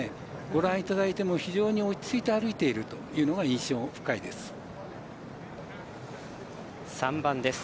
ご覧いただいても非常に落ち着いて歩いているのが印象深いです。